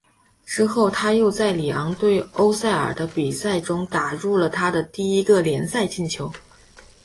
之后他又在里昂对欧塞尔的比赛中打入了他的第一个联赛进球。